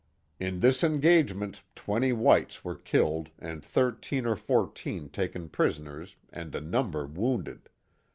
In this engagement twenty whites were killed and thirteen or fourteen taken prisoners and a number wounded.